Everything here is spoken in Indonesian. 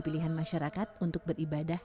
pilihan masyarakat untuk beribadah